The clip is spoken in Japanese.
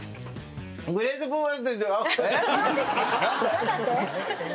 何だって？